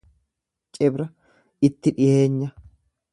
Cibra itti dhiheenya.